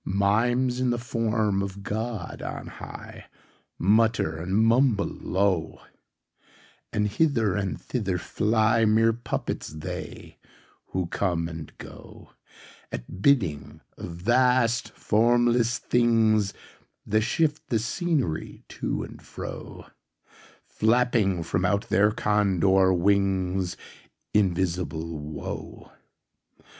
Mimes, in the form of God on high, Mutter and mumble low, And hither and thither fly—Mere puppets they, who come and goAt bidding of vast formless thingsThat shift the scenery to and fro, Flapping from out their Condor wingsInvisible Woe!